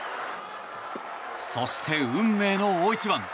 そして、運命の大一番。